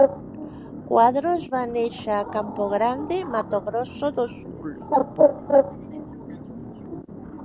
Quadros va néixer a Campo Grande, Mato Grosso do Sul.